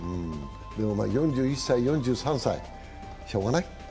でも４１歳、４３歳、しようがない。